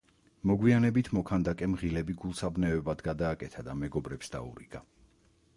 მოგვიანებით მოქანდაკემ ღილები გულსაბნევებად გადააკეთა და მეგობრებს დაურიგა.